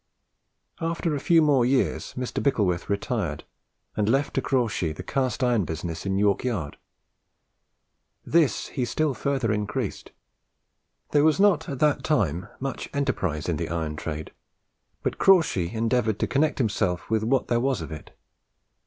After a few more years, Mr. Bicklewith retired, and left to Crawshay the cast iron business in York Yard. This he still further increased, There was not at that time much enterprise in the iron trade, but Crawshay endeavoured to connect himself with what there was of it.